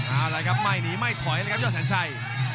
อะไรครับไม่หนีไม่ถอยเลยครับยอสัญชัย